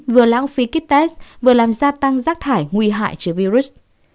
vừa lãng phí kít test vừa làm gia tăng rác thải nguy hại chứa virus